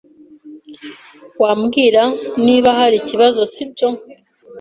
Wambwira niba hari ikibazo, sibyo?